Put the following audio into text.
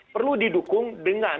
perlu didukung dengan